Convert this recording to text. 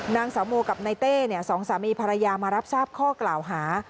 นางสาวโมกับนายเต้สองสามีภรรยามารับทราบข้อกล่าวหา